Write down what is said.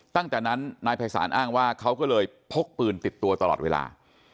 ตั้งแต่นั้นนายภัยศาลอ้างว่าเขาก็เลยพกปืนติดตัวตลอดเวลา